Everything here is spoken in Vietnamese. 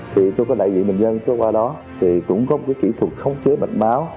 thì tôi có đại dị bình dân tôi qua đó thì cũng có một kỹ thuật không chế bệnh máu